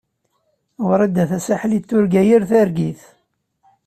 Wrida Tasaḥlit turga yir targit.